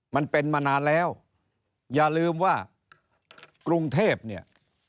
มันเป็นมานานแล้วอย่าลืมว่ากรุงเทพเนี่ย